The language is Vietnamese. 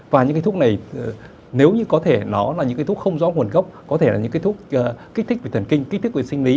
và những cái thuốc này nếu như có thể nó là những cái thuốc không rõ nguồn gốc có thể là những cái thuốc kích thích về thần kinh kích về sinh lý